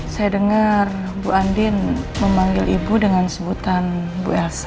saya dengar bu andin memanggil ibu dengan sebutan bu elsa